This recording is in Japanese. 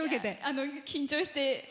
緊張して。